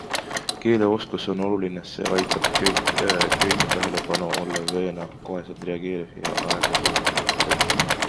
Keeleoskus on oluline, see aitab köita tähelepanu, olla veenev, koheselt reageeriv ja aega kokku hoida.